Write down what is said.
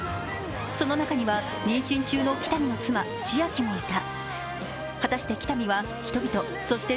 その中には妊娠中の喜多見の妻、千晶もいた。